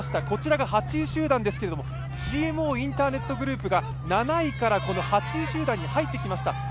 こちらが８位集団ですけれども、ＧＭＯインターネットグループが７位から８位集団に入ってきました。